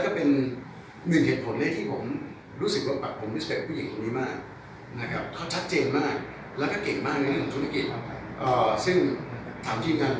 แต่ในมองแกที่คนหน้าของคุณนั้นหวานเป็นคนใหมากมากค่ะแต่ที่บอกว่าเราทำอย่างนี้ก็เรียกคาด